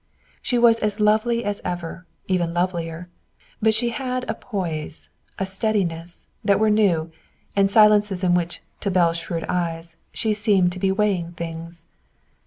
She was as lovely as ever, even lovelier. But she had a poise, a steadiness, that were new; and silences in which, to Belle's shrewd eyes, she seemed to be weighing things.